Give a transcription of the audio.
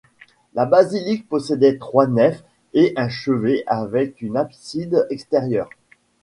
La basilique possédait trois nefs et un chevet avec une abside extérieure.